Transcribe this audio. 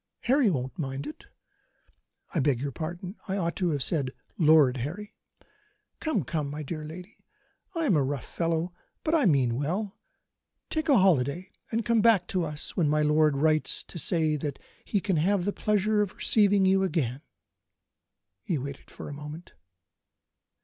Harry won't mind it I beg your pardon, I ought to have said Lord Harry. Come! come! my dear lady; I am a rough fellow, but I mean well. Take a holiday, and come back to us when my lord writes to say that he can have the pleasure of receiving you again." He waited for a moment.